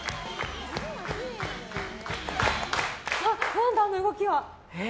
何だ、あの動きは！